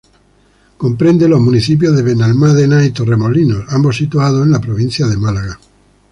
Comprende los municipios de Benalmádena y Torremolinos, ambos situados en la provincia de Málaga.